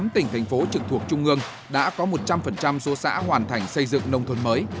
một mươi tỉnh thành phố trực thuộc trung ương đã có một trăm linh số xã hoàn thành xây dựng nông thôn mới